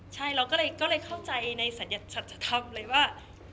ใช่เราก็เลยเข้าใจในสัจธรรมเลยว่า